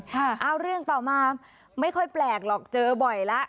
เอาเรื่องต่อมาไม่ค่อยแปลกหรอกเจอบ่อยแล้ว